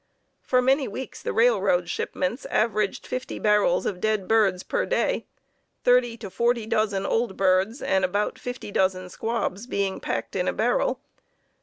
For many weeks the railroad shipments averaged fifty barrels of dead birds per day thirty to forty dozen old birds and about fifty dozen squabs being packed in a barrel.